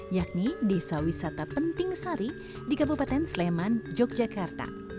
yakni desa wisata penting sari di kabupaten sleman yogyakarta